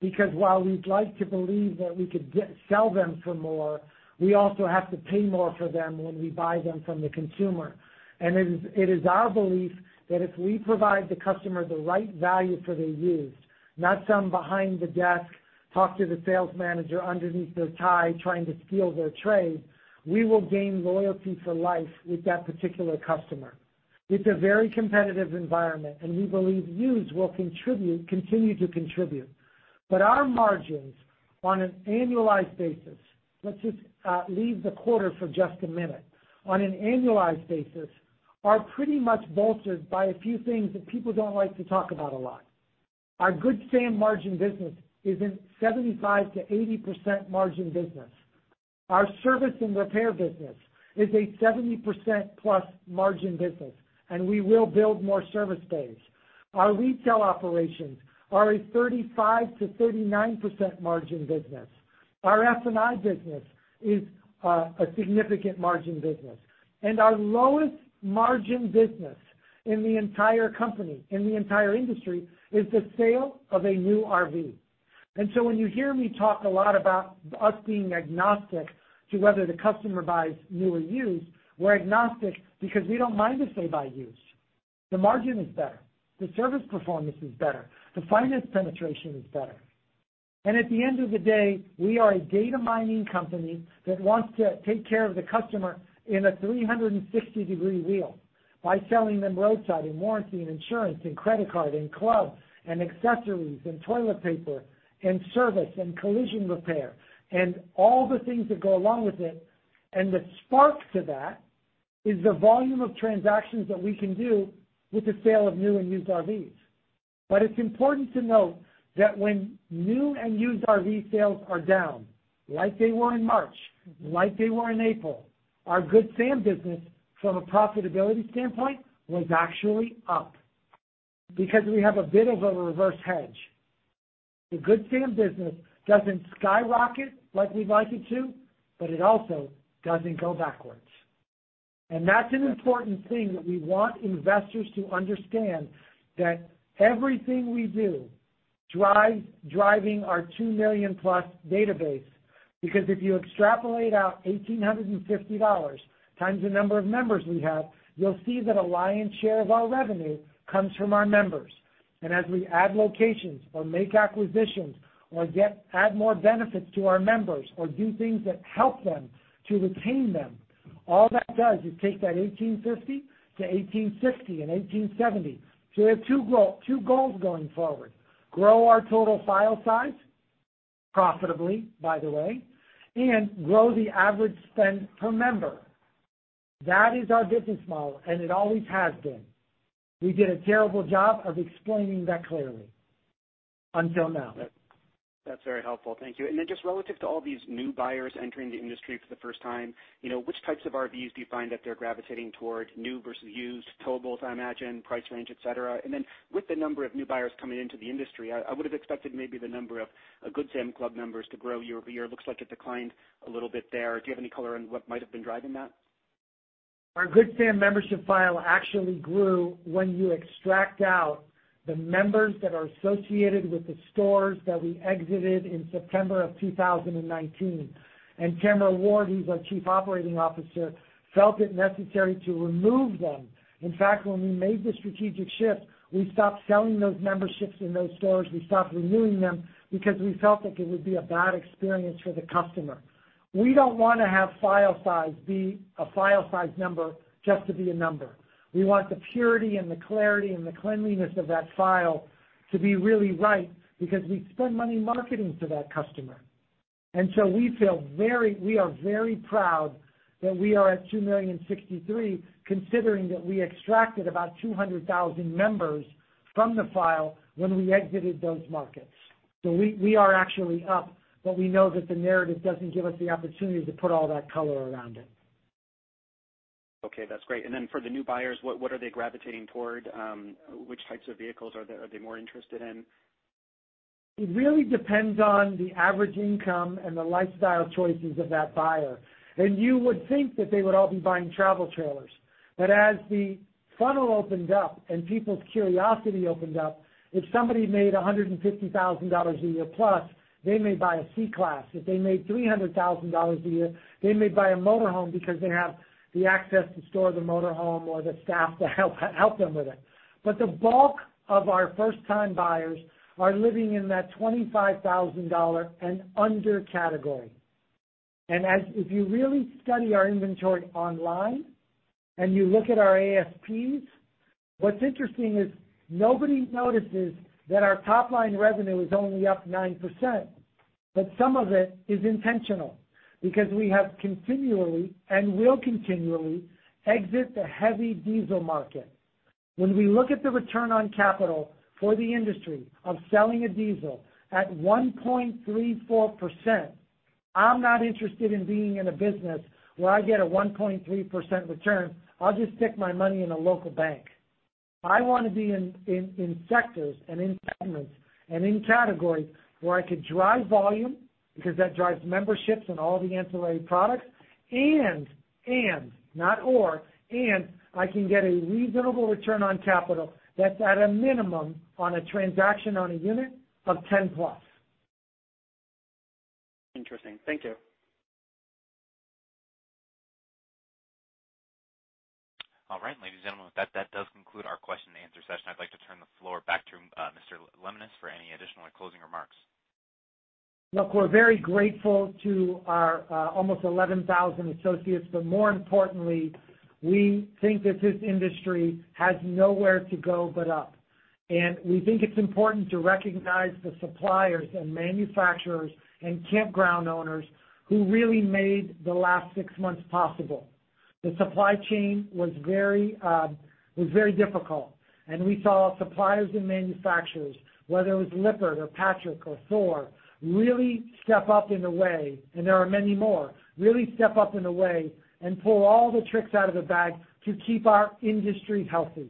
because while we'd like to believe that we could sell them for more, we also have to pay more for them when we buy them from the consumer. And it is our belief that if we provide the customer the right value for their used, not some behind the desk talk to the sales manager underneath their tie trying to steal their trade, we will gain loyalty for life with that particular customer. It's a very competitive environment, and we believe used will continue to contribute. But our margins on an annualized basis, let's just leave the quarter for just a minute, on an annualized basis are pretty much bolstered by a few things that people don't like to talk about a lot. Our Good Sam margin business is a 75%-80% margin business. Our service and repair business is a 70%+ margin business, and we will build more service bays. Our retail operations are a 35%-39% margin business. Our F&I business is a significant margin business. And our lowest margin business in the entire company, in the entire industry, is the sale of a new RV. And so when you hear me talk a lot about us being agnostic to whether the customer buys new or used, we're agnostic because we don't mind if they buy used. The margin is better. The service performance is better. The finance penetration is better. And at the end of the day, we are a data mining company that wants to take care of the customer in a 360-degree wheel by selling them roadside and warranty and insurance and credit card and club and accessories and toilet paper and service and collision repair and all the things that go along with it. And the spark to that is the volume of transactions that we can do with the sale of new and used RVs. But it's important to note that when new and used RV sales are down, like they were in March, like they were in April, our Good Sam business, from a profitability standpoint, was actually up because we have a bit of a reverse hedge. The Good Sam business doesn't skyrocket like we'd like it to, but it also doesn't go backwards. That's an important thing that we want investors to understand: that everything we do drives our 2 million+ database. Because if you extrapolate out $1,850 times the number of members we have, you'll see that a lion's share of our revenue comes from our members. As we add locations or make acquisitions or add more benefits to our members or do things that help them to retain them, all that does is take that $1,850 to $1,860 and $1,870. We have two goals going forward: grow our total file size profitably, by the way, and grow the average spend per member. That is our business model, and it always has been. We did a terrible job of explaining that clearly until now. That's very helpful. Thank you. And then just relative to all these new buyers entering the industry for the first time, which types of RVs do you find that they're gravitating toward: new versus used, towables, I imagine, price range, etc.? And then with the number of new buyers coming into the industry, I would have expected maybe the number of Good Sam Club members to grow year-over-year. It looks like it declined a little bit there. Do you have any color on what might have been driving that? Our Good Sam membership file actually grew when you extract out the members that are associated with the stores that we exited in September of 2019, and Tamara Ward, who's our Chief Operating Officer, felt it necessary to remove them. In fact, when we made the strategic shift, we stopped selling those memberships in those stores. We stopped renewing them because we felt like it would be a bad experience for the customer. We don't want to have file size be a file size number just to be a number. We want the purity and the clarity and the cleanliness of that file to be really right because we spend money marketing to that customer, and so we feel very—we are very proud that we are at 2,000,063 considering that we extracted about 200,000 members from the file when we exited those markets. So we are actually up, but we know that the narrative doesn't give us the opportunity to put all that color around it. Okay. That's great, and then for the new buyers, what are they gravitating toward? Which types of vehicles are they more interested in? It really depends on the average income and the lifestyle choices of that buyer. And you would think that they would all be buying travel trailers. But as the funnel opened up and people's curiosity opened up, if somebody made $150,000+ a year, they may buy a C Class. If they made $300,000 a year, they may buy a motorhome because they have the access to store the motorhome or the staff to help them with it. But the bulk of our first-time buyers are living in that $25,000 and under category. And if you really study our inventory online and you look at our ASPs, what's interesting is nobody notices that our top-line revenue is only up 9%. But some of it is intentional because we have continually and will continually exit the heavy diesel market. When we look at the return on capital for the industry of selling a diesel at 1.34%, I'm not interested in being in a business where I get a 1.3% return. I'll just stick my money in a local bank. I want to be in sectors and in segments and in categories where I could drive volume because that drives memberships and all the ancillary products. And, and, not or, and I can get a reasonable return on capital that's at a minimum on a transaction on a unit of 10+. Interesting. Thank you. All right. Ladies and gentlemen, that does conclude our question-and-answer session. I'd like to turn the floor back to Mr. Lemonis for any additional or closing remarks. Look, we're very grateful to our almost 11,000 associates, but more importantly, we think that this industry has nowhere to go but up, and we think it's important to recognize the suppliers and manufacturers and campground owners who really made the last six months possible. The supply chain was very difficult, and we saw suppliers and manufacturers, whether it was Lippert or Patrick or Thor, really step up in a way, and there are many more, really step up in a way and pull all the tricks out of the bag to keep our industry healthy.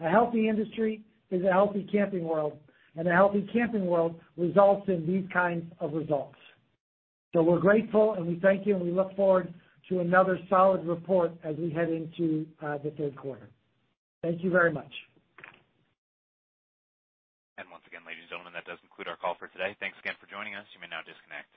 A healthy industry is a healthy Camping World, and a healthy Camping World results in these kinds of results, so we're grateful, and we thank you, and we look forward to another solid report as we head into the third quarter. Thank you very much. And once again, ladies and gentlemen, that does conclude our call for today. Thanks again for joining us. You may now disconnect.